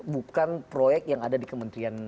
bukan proyek yang ada di kementerian